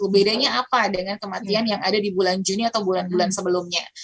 bedanya apa dengan kematian yang ada di bulan juni atau bulan bulan sebelumnya